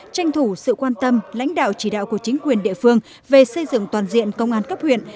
tranh thủ sự quan tâm lãnh đạo chỉ đạo của chính quyền địa phương về xây dựng toàn diện công an cấp huyện